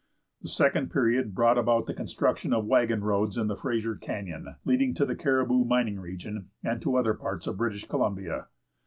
The second period brought about the construction of wagon roads in the Fraser Canyon leading to the Caribou mining region and to other parts of British Columbia.